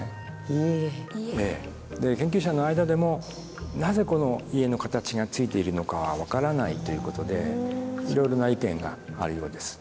研究者の間でもなぜこの家の形がついているのかは分からないということでいろいろな意見があるようです。